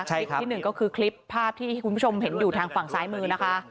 คลิปที่หนึ่งก็คือคลิปภาพที่คุณผู้ชมเห็นอยู่ทางฝั่งซ้ายมือนะคะ